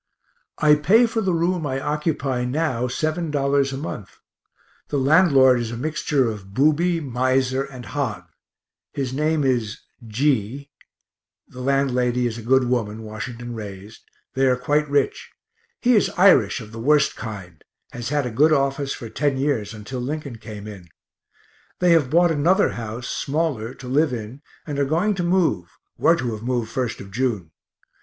I pay for the room I occupy now $7 a month the landlord is a mixture of booby, miser, and hog; his name is G ; the landlady is a good woman, Washington raised they are quite rich; he is Irish of the worst kind has had a good office for ten years until Lincoln came in. They have bought another house, smaller, to live in, and are going to move (were to have moved 1st of June).